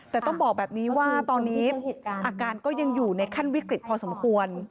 แต่ต้องบอกแบบนี้ว่าตอนนี้อาการก็ยังอยู่ในขั้นวิกฤตพอสมควร